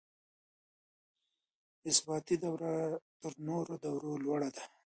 اثباتي دوره تر نورو دورو لوړه ده.